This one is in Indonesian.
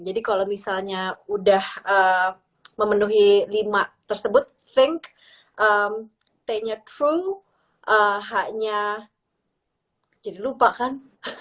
jadi kalau misalnya udah memenuhi lima tersebut think t nya true h nya jadi lupa kan